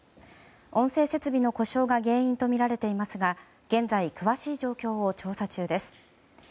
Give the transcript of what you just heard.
音声設備の故障が原因とみられていますが現在、詳しい状況を調査中です。